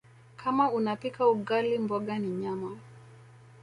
Kama unapika ugali mboga ni nyama